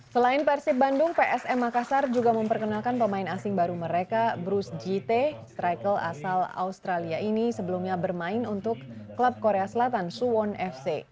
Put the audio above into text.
selain persib bandung psm makassar juga memperkenalkan pemain asing baru mereka brus jitte striker asal australia ini sebelumnya bermain untuk klub korea selatan suwon fc